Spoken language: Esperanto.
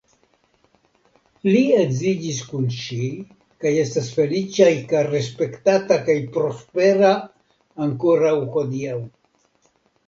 Li edziĝis kun ŝi kaj estas feliĉa kaj respektata kaj prospera ankoraŭ hodiaŭ.